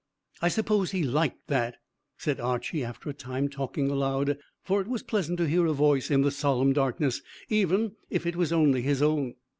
"I suppose he liked that," said Archy, after a time, talking aloud, for it was pleasant to hear a voice in the solemn darkness, even if it was only his own.